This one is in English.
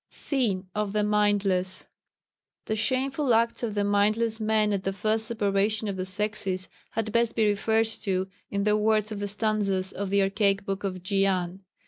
[Sidenote: Sin of the Mindless.] The shameful acts of the mindless men at the first separation of the sexes had best be referred to in the words of the stanzas of the archaic Book of Dzyan.